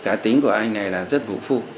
cá tính của anh này là rất vũ phu